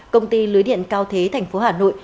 công ty lưới điện cao thế tp hà nội